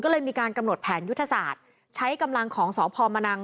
ก็เลยมีการกำหนดแผนยุทธศาสตร์ใช้กำลังของสพมนัง